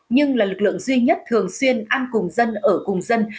nhưng là lực lượng duy nhất thường xuyên ăn cùng dân ở cùng dân